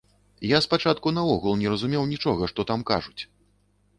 Я спачатку наогул не разумеў нічога, што там кажуць!